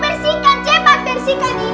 bersihkan cepat bersihkan